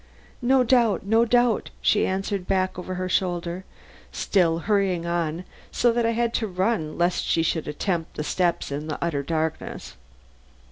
"No doubt, no doubt," she answered back over her shoulder, still hurrying on so that I had to run lest she should attempt the steps in utter darkness.